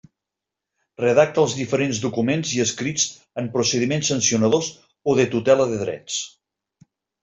Redacta dels diferents documents i escrits en procediments sancionadors o de tutela de drets.